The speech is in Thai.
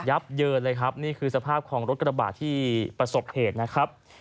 เยินเลยครับนี่คือสภาพของรถกระบาดที่ประสบเหตุนะครับ